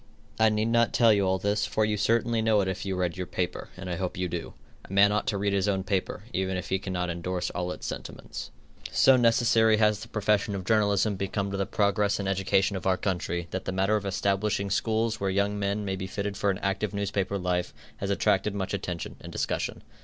I need not tell you all this, for you certainly know it if you read your paper, and I hope you do. A man ought to read his own paper, even if he cannot endorse all its sentiments. So necessary has the profession of journalism become to the progress and education of our country, that the matter of establishing schools where young men may be fitted for an active newspaper life, has attracted much attention and discussion.